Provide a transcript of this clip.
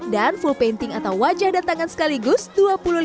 dan full painting atau wajah dan tangan sekaligus dua puluh lima rupiah